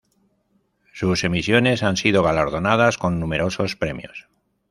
Sus emisiones han sido galardonados con numerosos premios.